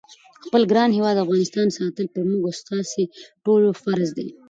خپل ګران هیواد افغانستان ساتل پر موږ او تاسی ټولوفرض دی